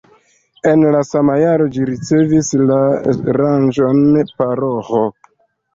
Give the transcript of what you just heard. En la sama jaro ĝi ricevis la rangon paroĥo.